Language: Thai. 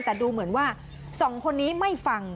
แต่ดูเหมือนว่าสองคนนี้ไม่ฟัง